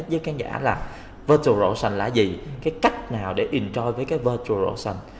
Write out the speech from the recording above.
mình sẽ giải thích với khán giả là virtual ocean là gì cái cách nào để enjoy với cái virtual ocean